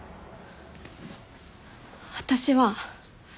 私は。